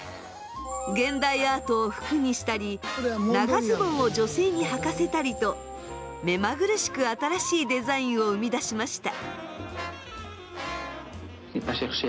現代アートを服にしたり長ズボンを女性にはかせたりと目まぐるしく新しいデザインを生み出しました。